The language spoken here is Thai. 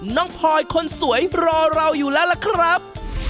พลอยคนสวยรอเราอยู่แล้วล่ะครับ